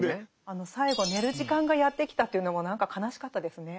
あの最後寝る時間がやって来たというのも何か悲しかったですね。